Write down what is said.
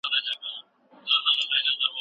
له غريبو سره مرسته وکړئ.